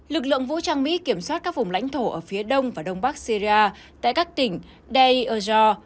lực lượng vũ trang mỹ kiểm soát các vùng lãnh thổ ở phía đông và đông bắc syria tại các tỉnh daeur